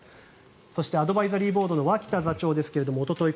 そして、アドバイザリーボードの脇田座長ですがおととい